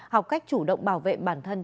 học cách chủ động bảo vệ bản thân